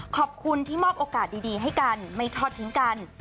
ขอบคุณที่มอบโอกาสดีให้กันไม่ทอดทิ้งกัน